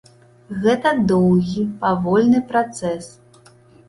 Гэта доўгі, павольны працэс.